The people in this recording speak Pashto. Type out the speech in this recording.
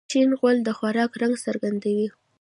شین غول د خوراک رنګ څرګندوي.